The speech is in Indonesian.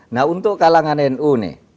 nah untuk kalangan nu nih